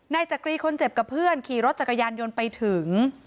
จักรีคนเจ็บกับเพื่อนขี่รถจักรยานยนต์ไปถึง